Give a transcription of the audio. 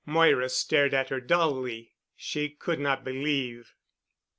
Moira stared at her dully. She could not believe.